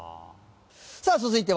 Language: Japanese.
さあ続いては？